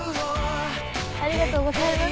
ありがとうございます。